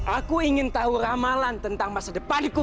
aku ingin tahu ramalan tentang masa depanku